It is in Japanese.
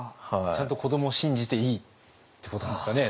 ちゃんと子どもを信じていいってことなんですかね。